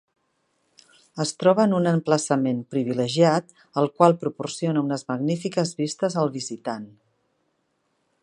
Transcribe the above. Es troba en un emplaçament privilegiat, el qual proporciona unes magnífiques vistes al visitant.